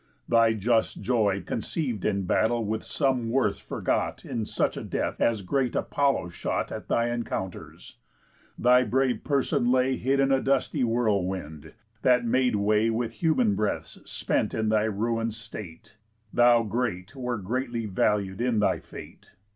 Thy just joy Conceiv'd in battle with some worth forgot In such a death as great Apollo shot At thy encounters. Thy brave person lay Hid in a dusty whirlwind, that made way With human breaths spent in thy ruin's state Thou, great, wert greatly valued in thy fate.